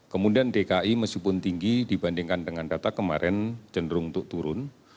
kemudian dki meskipun tinggi dibandingkan dengan data kemarin cenderung untuk turun